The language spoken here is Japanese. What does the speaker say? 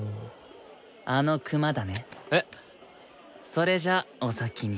それじゃお先に。